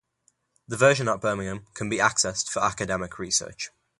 The version at Birmingham can be accessed for academic research.